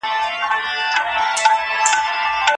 ما د خپلي مطالعې پیل له کیسو وکړ.